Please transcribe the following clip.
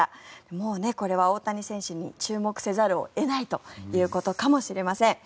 もうこれは大谷選手に注目せざるを得ないということかもしれません。